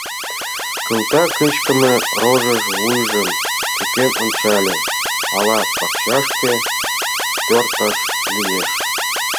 Кылта кышкыме рожыш вуйжым чыкен ончале: «Ала пакчашке тӧршташ лиеш?»